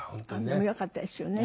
でもよかったですよね